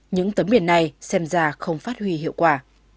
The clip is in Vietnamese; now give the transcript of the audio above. những tấm biển này xem ra không phát huy hiệu quả